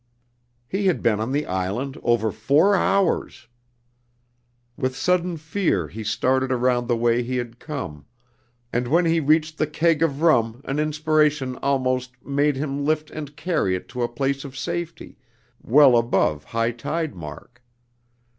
He had been on the island over four hours! With sudden fear he started around the way he had come, and when he reached the keg of rum an inspiration almost, made him lift and carry it to a place of safety, well above high tide mark.